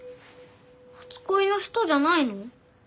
初恋の人じゃないの？